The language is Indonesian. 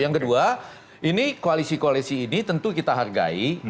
yang kedua ini koalisi koalisi ini tentu kita hargai